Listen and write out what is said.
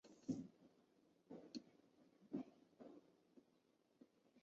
舅甥二人在淮南地区都取得了显着的威望。